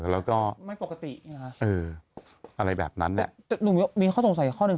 แล้วก็อะไรแบบนั้นแหละแต่หนูมีข้อสงสัยข้อหนึ่ง